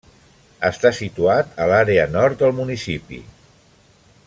Està situat a l'àrea nord del municipi.